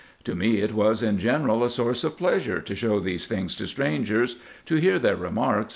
To me it was in general a source of pleasure to show these things to strangers, to hear their remarks, IN EGYPT, NUBIA, &c.